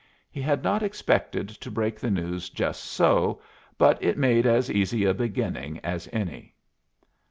He had not expected to break the news just so, but it made as easy a beginning as any.